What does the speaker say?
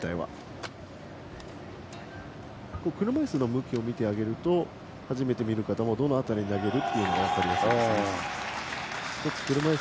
車いすの向きを見てあげると初めて見る方もどの辺りに投げるか分かりやすいです。